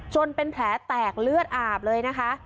เป็นแผลแตกเลือดอาบเลยนะคะ